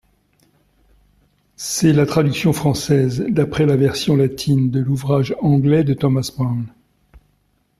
C'est la traduction française, d'après la version latine, de l'ouvrage anglais de Thomas Browne.